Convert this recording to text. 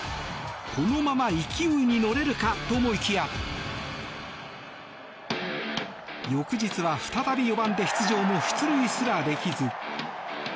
このまま勢いに乗れるかと思いきや翌日は再び４番で出場も出塁すらできず。